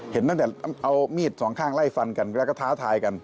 เห็นตั้งแต่เอามีดสองข้างไล่ฟันกันแล้วก็ท้าทายกัน